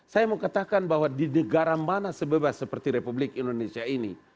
saya mau katakan bahwa di negara mana sebebas seperti republik indonesia ini